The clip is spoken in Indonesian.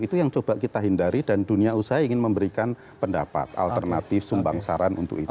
itu yang coba kita hindari dan dunia usaha ingin memberikan pendapat alternatif sumbang saran untuk itu